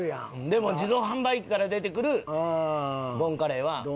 でも自動販売機から出てくるボンカレーは。